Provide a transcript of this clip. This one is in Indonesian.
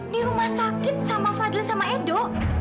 di rumah sakit sama fadli sama edo